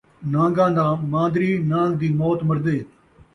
نان٘گاں دا مان٘دری ، نان٘گ دی موت مردے